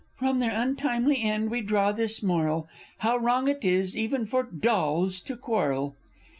_ From their untimely end we draw this moral, How wrong it is, even for dolls, to quarrel!